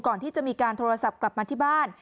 ก่อนที่จะมีการโทรศัพท์กลับมาที่บ้าน